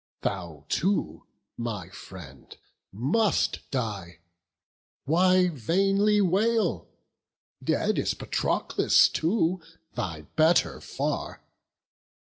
Thou too, my friend, must die: why vainly wail? Dead is Patroclus too, thy better far.